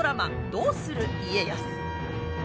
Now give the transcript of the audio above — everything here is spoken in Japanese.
「どうする家康」。